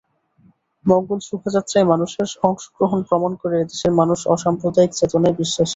মঙ্গল শোভাযাত্রায় মানুষের অংশগ্রহণ প্রমাণ করে এ দেশের মানুষ অসাম্প্রদায়িক চেতনায় বিশ্বাসী।